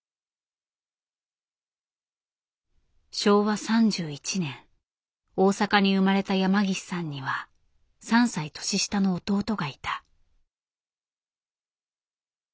昭和３１年大阪に生まれた山岸さんには３歳年下の弟がいた。